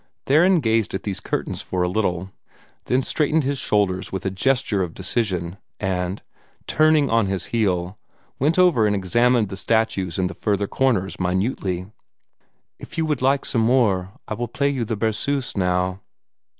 Theron gazed at these curtains for a little, then straightened his shoulders with a gesture of decision, and, turning on his heel, went over and examined the statues in the further corners minutely. "If you would like some more, I will play you the Berceuse now."